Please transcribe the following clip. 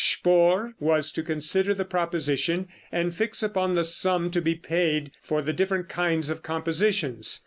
Spohr was to consider the proposition and fix upon the sum to be paid for the different kinds of compositions.